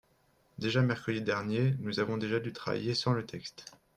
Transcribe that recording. Déjà mercredi dernier, nous avons déjà dû travailler sans le texte.